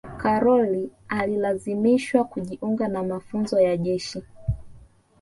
karol alilazimishwa kujiunga na mafunzo ya jeshi